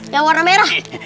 yang warna merah